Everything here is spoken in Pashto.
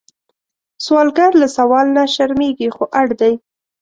سوالګر له سوال نه شرمېږي، خو اړ دی